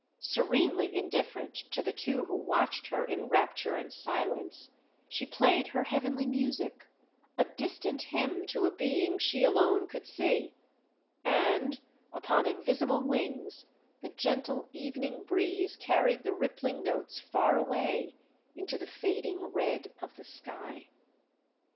Serenely indifferent to the two who watched her in rapture and silence, she played her heavenly music, a distant hymn to a being she alone could see; and upon invisible wings the gentle evening breeze carried the rippling notes far away into the fading red of the sky....